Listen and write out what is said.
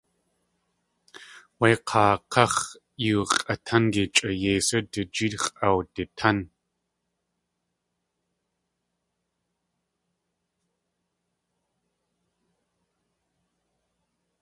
Wé k̲aa káx̲ yóo x̲ʼatángi chʼa yeisú du jeet x̲ʼawditán.